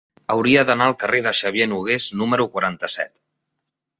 Hauria d'anar al carrer de Xavier Nogués número quaranta-set.